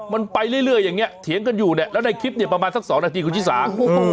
มันไปเรื่อยอย่างนี้เถียงกันอยู่เนี่ยแล้วในคลิปเนี่ยประมาณสัก๒นาทีคุณชิสา